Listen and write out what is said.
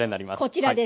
こちらです